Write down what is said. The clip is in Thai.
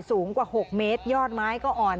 สูงกว่า๖เมตรยอดไม้ก็อ่อน